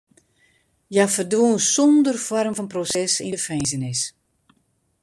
Hja ferdwûn sûnder foarm fan proses yn de finzenis.